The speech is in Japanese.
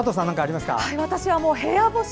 私は部屋干し。